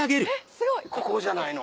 ここじゃないの？